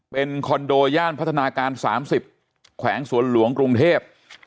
เป็นคอนโดย่านพัฒนาการสามสิบแขวงสวลระหวงปรุงเหท